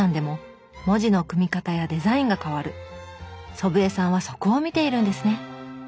祖父江さんはそこを見ているんですね。